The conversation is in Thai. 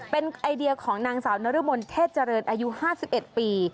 เป็นไอเดียของนางสาวนรมนเทศเจริญอายุ๕๑ปี